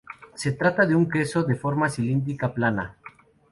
Se trata de un queso de forma cilíndrica plana.